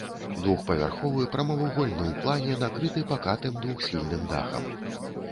Двухпавярховы прамавугольны ў плане, накрыты пакатым двухсхільным дахам.